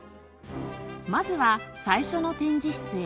まずは最初の展示室へ。